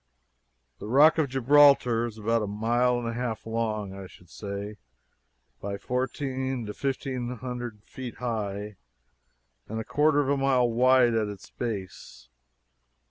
The Rock of Gibraltar is about a mile and a half long, I should say, by 1,400 to 1,500 feet high, and a quarter of a mile wide at its base.